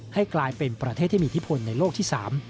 ให้กลายเป็นประเทศที่มีอิทธิพลในโลกที่๓